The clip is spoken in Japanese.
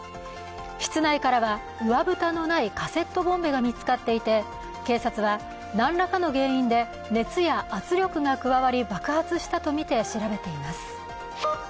室内からは上蓋のないカセットボンベが見つかっていて、警察は何らかの原因で熱や圧力が加わり爆発したとみて調べています。